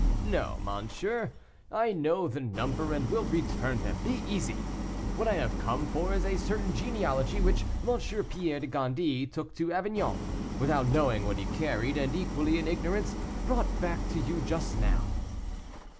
"No, monsieur; I know the number, and will return them. Be easy. What I have come for is a certain genealogy which M. Pierre de Gondy took to Avignon, without knowing what he carried, and, equally in ignorance, brought back to you just now."